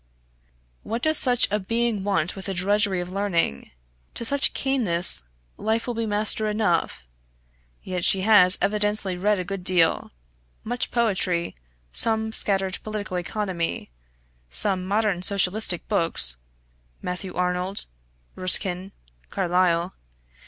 What does such a being want with the drudgery of learning? to such keenness life will be master enough. Yet she has evidently read a good deal much poetry, some scattered political economy, some modern socialistic books, Matthew Arnold, Ruskin, Carlyle.